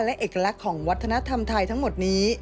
และเอกลักษณ์ของวัฒนธรรมไทยทั้งหมดนี้